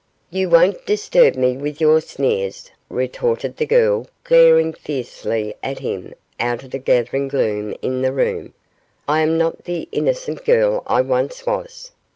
'You won't disturb me with your sneers,' retorted the girl, glaring fiercely at him out of the gathering gloom in the room; 'I am not the innocent girl I once was.